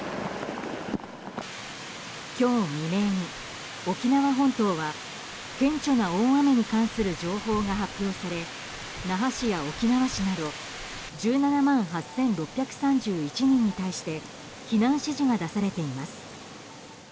今日未明、沖縄本島は顕著な大雨に関する情報が発表され那覇市や沖縄市など１７万８６３１人に対して避難指示が出されています。